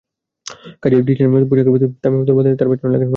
কখনো ডিজাইনার পোশাকের প্রতি তামিমের দুর্বলতা নিয়ে তাঁর পেছনে লাগলেন মাশরাফি।